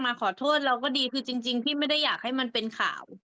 มาขอโทษเราก็ดีคือจริงพี่ไม่ได้อยากให้มันเป็นข่าว